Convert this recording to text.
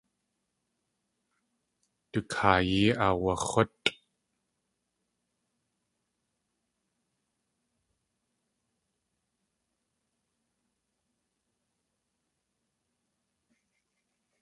At kaayí aawax̲útʼ.